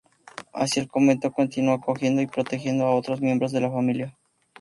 Así el convento continuo acogiendo y protegiendo a otros miembros de la familia.